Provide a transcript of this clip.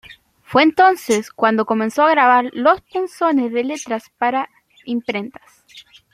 Fue entonces cuando comenzó a grabar los punzones de letras para imprentas.